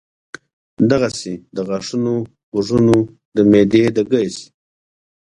دغسې د غاښونو ، غوږونو ، د معدې د ګېس ،